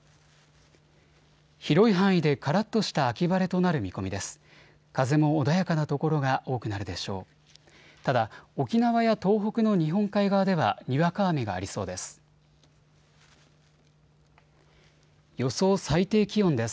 広い範囲でからっとした秋晴れとなる見込みです。